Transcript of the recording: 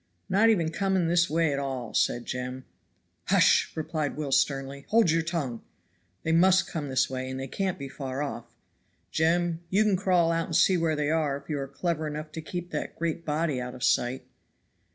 "Not even coming this way at all," said Jem. "Hush!" replied Will sternly, "hold your tongue. They must come this way, and they can't be far off. Jem, you can crawl out and see where they are, if you are clever enough to keep that great body out of sight."